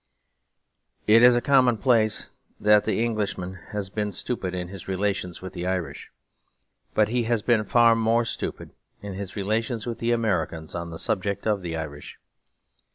It is a commonplace that the Englishman has been stupid in his relations with the Irish; but he has been far more stupid in his relations with the Americans on the subject of the Irish.